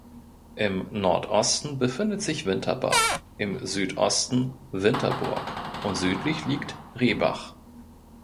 Im Nordosten befindet sich Winterbach, im Südosten Winterburg und südlich liegt Rehbach.